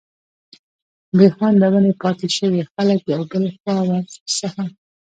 بي خونده ونې پاتي شوې، خلک يو بل خوا ور څخه